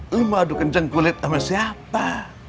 lu mau adu kenceng kulit sama siapa